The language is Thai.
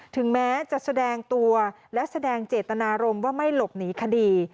ถึงแม้จะแสดงตัวและแสดงเจตนารมณ์ว่าไม่หลบหนีคดี